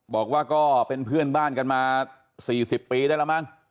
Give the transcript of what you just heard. บอกว่าก็เป็นเพื่อนบ้านกันมา๔๐ปีได้แล้วมั้ง